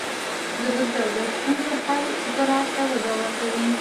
د بزګر د ستونزو حل زراعت ته وده ورکوي.